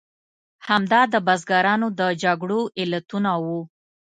همدا د بزګرانو د جګړو علتونه وو.